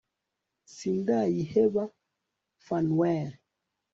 sindayiheba phanuel